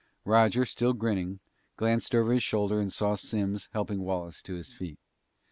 Roger, still grinning, glanced over his shoulder and saw Simms helping Wallace to his feet.